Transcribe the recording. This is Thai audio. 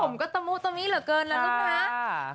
สมผมก็ตะมูตะมี่เหลือเกินแล้วลุกนะ